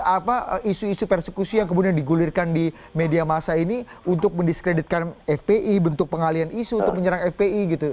apa isu isu persekusi yang kemudian digulirkan di media masa ini untuk mendiskreditkan fpi bentuk pengalian isu untuk menyerang fpi gitu